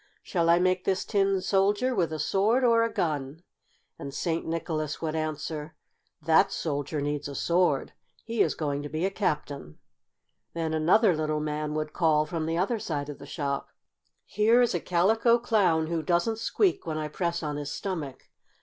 Shall I make this Tin Soldier with a sword or a gun?" And St. Nicholas would answer: "That Soldier needs a sword. He is going to be a Captain." Then another little man would call, from the other side of the shop: "Here is a Calico Clown who doesn't squeak when I press on his stomach.